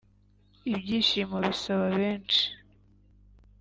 ibyishimo bisaba benshi